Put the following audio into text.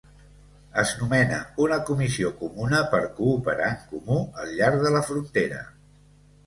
Es nomena una comissió comuna per cooperar en comú al llarg de la frontera.